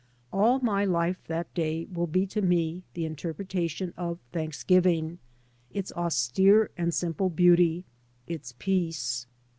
All my life that day will be to me the interpretation of Thanks giving, its austere and simple beauty, its peace.